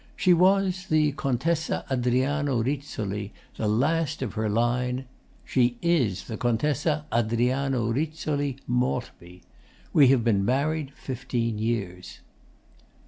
She was the Contessa Adriano Rizzoli, the last of her line. She is the Contessa Adriano Rizzoli Maltby. We have been married fifteen years.